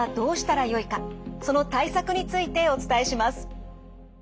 その対策についてお伝えします。